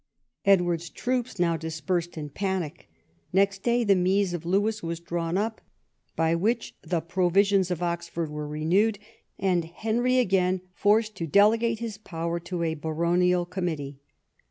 Edward's troops now dispersed in a panic. Next day the Mise of Lewes was drawn up, by which the Provisions of Oxford were renewed, and Henry again forced to delegate his power to a baronial committee.